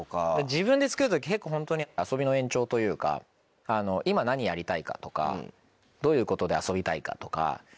自分で作る時結構ホントに。というか今何やりたいかとかどういうことで遊びたいかとか。